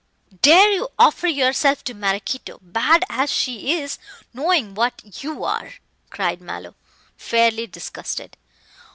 "Dare you offer yourself to Maraquito, bad as she is, knowing what you are?" cried Mallow, fairly disgusted.